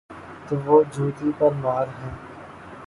تو وہ جوتی پرمار ہیں۔